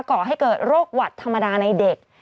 ก่อให้เกิดโรคหวัดธรรมดาในเด็ก